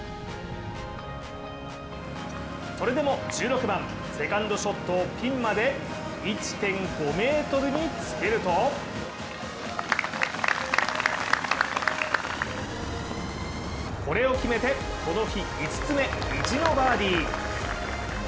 それでも１６番、セカンドショットをピンまで１．５ｍにつけるとこれを沈めてこの日５つ目意地のバーディー。